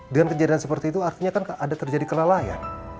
dengan kejadian seperti itu artinya kan ada terjadi kelalaian